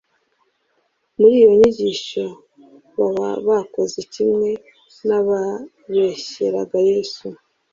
Muri iyo nyigisho baba bakoze kimwe n'ababeshyeraga Yesu.